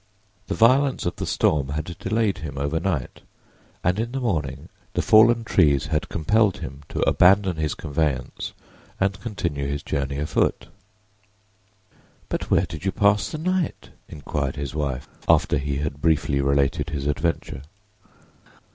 The violence of the storm had delayed him over night, and in the morning the fallen trees had compelled him to abandon his conveyance and continue his journey afoot. "But where did you pass the night?" inquired his wife, after he had briefly related his adventure.